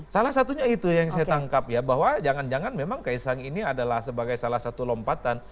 salah satunya itu yang saya tangkap ya bahwa jangan jangan memang kaisang ini adalah sebagai salah satu lompatan